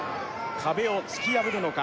壁を突き破るのか？